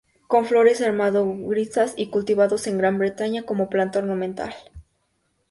Con flores hermafroditas y cultivados en Gran Bretaña como planta ornamental.